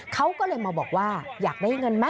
เขาก็เลยมาบอกว่าอยากได้เงินไหม